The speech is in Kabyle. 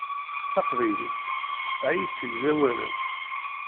Taqbaylit tesɛa isegzawalen.